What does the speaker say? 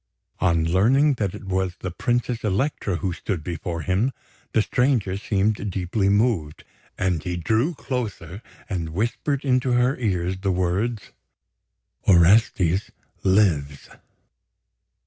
On learning that it was the Princess Elektra who stood before him, the stranger seemed deeply moved; and he drew closer and whispered into her ears the words: "Orestes lives!"